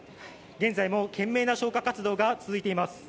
現在も懸命な消火活動が続いています。